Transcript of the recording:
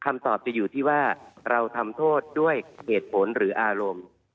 คำตอบจะอยู่ที่ว่าเราทำโทษด้วยเหตุผลหรืออารมณ์